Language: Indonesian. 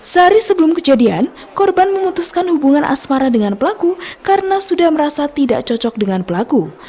sehari sebelum kejadian korban memutuskan hubungan asmara dengan pelaku karena sudah merasa tidak cocok dengan pelaku